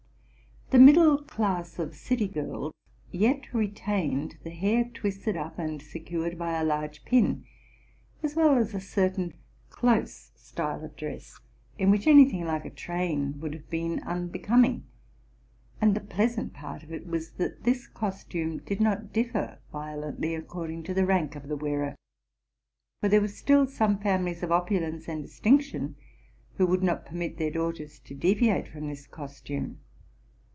The middle class of city girls yet retained the hair twisted up and secured by a large pin, as well as a certain close style of dress, in which any thing like a train would have been unbecoming: and the ple: asant part of it was, that this costume did not differ violently according to the rank of the wearer; for there were still some families of opulence and distinction who would not permit their daughters to de viate from this costume.